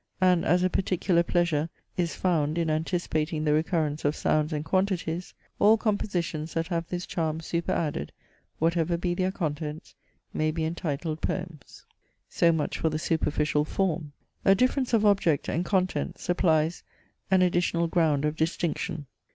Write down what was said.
And as a particular pleasure is found in anticipating the recurrence of sounds and quantities, all compositions that have this charm super added, whatever be their contents, may be entitled poems. So much for the superficial form. A difference of object and contents supplies an additional ground of distinction.